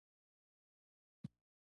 زه او پټه خزانه د معصوم هوتک اثر دی.